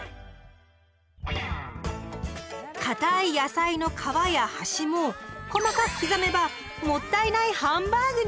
かたい野菜の皮や端も細かく刻めば「もったいないハンバーグ」に！